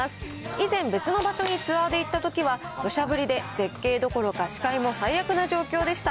以前、別の場所にツアーで行ったときはどしゃ降りで絶景どころかしかも最悪な状況でした。